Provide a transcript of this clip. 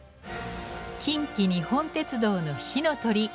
近畿日本鉄道の「ひのとり」。